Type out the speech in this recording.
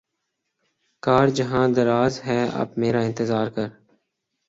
کار جہاں دراز ہے اب میرا انتظار کر